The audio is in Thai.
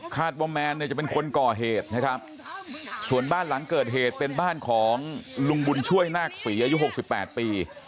ว่าแมนเนี่ยจะเป็นคนก่อเหตุนะครับส่วนบ้านหลังเกิดเหตุเป็นบ้านของลุงบุญช่วยนาคศรีอายุ๖๘ปี